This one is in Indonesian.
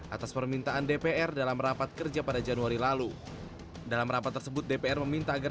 atas permintaan dpr dalam rapat kemampuan